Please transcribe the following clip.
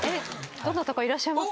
どなたかいらっしゃいます？